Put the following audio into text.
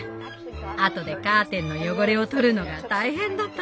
あとでカーテンの汚れをとるのが大変だったとか。